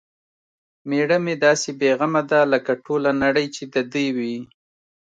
میږه مې داسې بې غمه ده لکه ټوله نړۍ چې د دې وي.